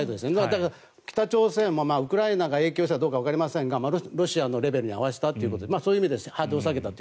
だから北朝鮮もウクライナが影響したかどうかわかりませんがロシアのレベルに合わせたということでそういう意味でハードルを下げた。